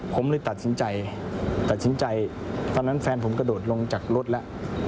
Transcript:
ผมเลยตัดสินใจตัดสินใจตอนนั้นแฟนผมกระโดดลงจากรถแล้ว